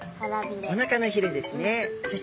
おなかのひれですね。